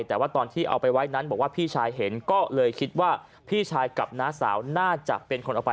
แต่ว่าตอนที่เอาไปไว้นั้นบอกว่าพี่ชายเห็นก็เลยคิดว่าพี่ชายกับน้าสาวน่าจะเป็นคนเอาไป